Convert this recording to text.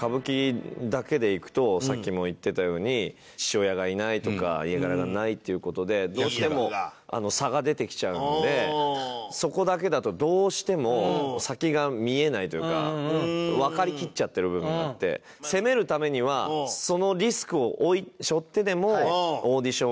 さっきも言ってたように父親がいないとか家柄がないっていう事でどうしても差が出てきちゃうのでそこだけだとどうしても先が見えないというかわかりきっちゃってる部分があって攻めるためにはそのリスクを背負ってでも。